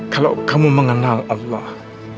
kalau kamu mengenal allah